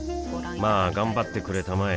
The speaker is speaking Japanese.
まあ頑張ってくれたまえ